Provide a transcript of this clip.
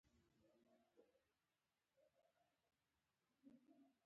ما ترې پوښتنه وکړل غواړې له مرګه وروسته ژوند وکړې.